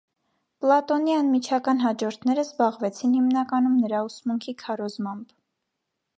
Պլատոնի անմիջական հաջորդները զբաղվեցին հիմնականում նրա ուսմունքի քարոզմամբ։